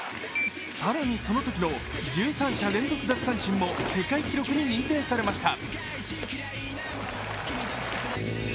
更に、そのときの１３者連続奪三振も世界記録に認定されました。